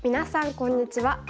こんにちは。